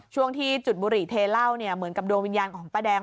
ช่วงที่จุดบุหรี่เทเหล้าเนี่ยเหมือนกับดวงวิญญาณของป้าแดง